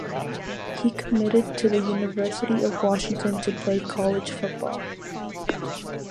He committed to the University of Washington to play college football.